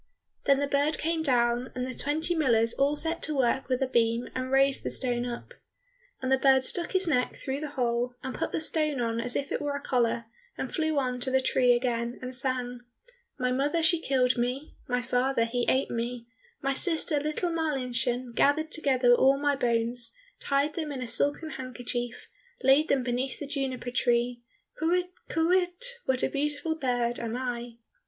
Then the bird came down, and the twenty millers all set to work with a beam and raised the stone up. And the bird stuck his neck through the hole, and put the stone on as if it were a collar, and flew on to the tree again, and sang, "My mother she killed me, My father he ate me, My sister, little Marlinchen, Gathered together all my bones, Tied them in a silken handkerchief, Laid them beneath the juniper tree, Kywitt, kywitt, what a beautiful bird am I!"